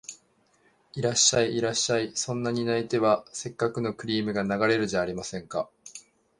いらっしゃい、いらっしゃい、そんなに泣いては折角のクリームが流れるじゃありませんか